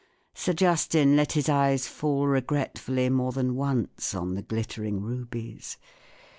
Sir Justin let his eyes fall regretfully more than once on the glittering rubies.